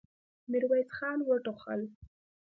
ميرويس خان وټوخل.